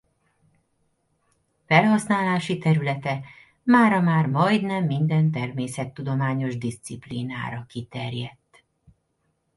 Felhasználási területe mára már majdnem minden természettudományos diszciplínára kiterjedt.